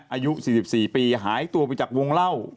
อายุ๔๔ปีหายตัวไปจากวงเล่า